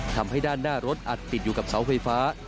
ทำให้ด้านหน้ารถอัดติดอยู่กับเสาไฟฟ้า